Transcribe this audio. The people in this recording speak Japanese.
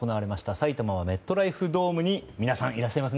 埼玉はメットライフドームに皆さん、いらっしゃいます。